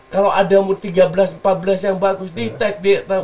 kalau ada umur tiga belas empat belas yang bagus di tag